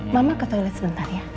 mama ke toilet sebentar ya